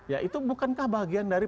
ya itu bukankah bagian dari